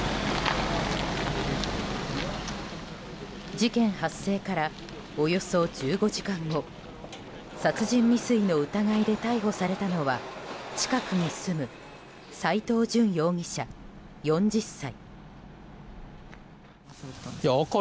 事件発生からおよそ１５時間後殺人未遂の疑いで逮捕されたのは近くに住む斎藤淳容疑者、４０歳。